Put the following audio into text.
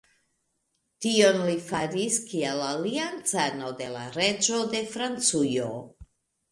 Tion li faris kiel aliancano de la reĝo de Francujo.